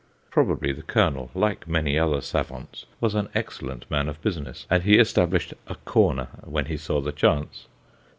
Probably the colonel, like many other savants, was an excellent man of business, and he established "a corner" when he saw the chance.